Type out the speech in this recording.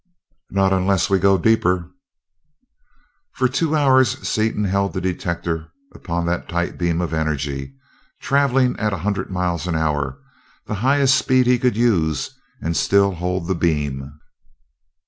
"Not unless we go deeper." For two hours Seaton held the detector upon that tight beam of energy, traveling at a hundred miles an hour, the highest speed he could use and still hold the beam.